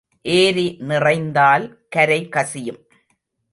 ஏரி நிறைந்தால் கரை கசியும்.